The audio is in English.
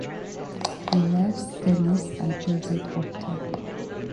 He loves tennis and plays it often.